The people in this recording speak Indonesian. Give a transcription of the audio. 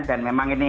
dan memang ini